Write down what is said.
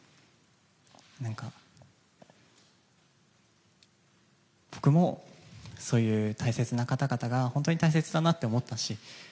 何か、僕もそういう大切な方々が本当に大切だなと思ったし。